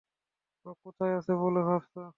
ও কোথায় আছে বলে ভাবছ?